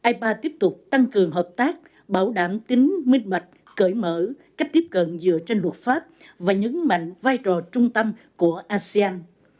ipa tiếp tục tăng cường hợp tác bảo đảm tính minh mạch cởi mở cách tiếp cận dựa trên luật pháp và nhấn mạnh vai trò trung tâm của asean